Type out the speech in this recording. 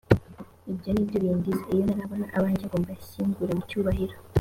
ibyo ni byo bindiza iyo ntarabona abajye ngo mbashyingure mu cyubahiro